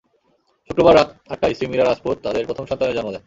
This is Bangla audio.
শুক্রবার রাত আটটায় স্ত্রী মিরা রাজপুত তাঁদের প্রথম সন্তানের জন্ম দেন।